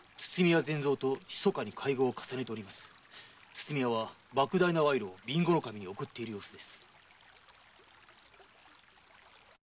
筒見屋は莫大な賄賂を備後守に贈っている様子です。